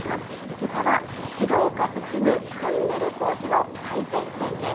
けさは、自動化進むトンネル工事の最前線です。